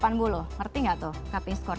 ngerti nggak tuh cupping skor